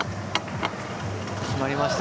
決まりました。